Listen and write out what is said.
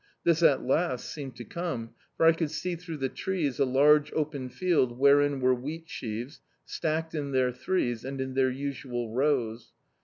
This at last seemed to come, for I could see throu^ the trees a large open field wherein were wheatsheaves, stacked in their threes, and in their usual rows.